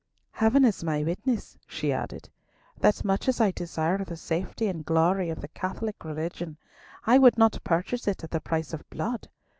"Heaven is my witness," she added, "that much as I desire the safety and glory of the Catholic religion, I would not purchase it at the price of blood.